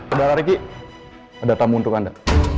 udah riki ada tamu untuk anda